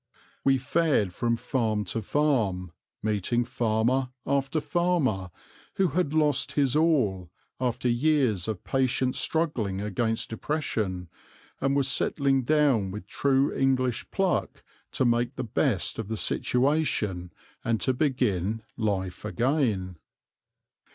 We fared from farm to farm, meeting farmer after farmer who had lost his all, after years of patient struggling against depression, and was settling down with true English pluck to make the best of the situation and to begin life again.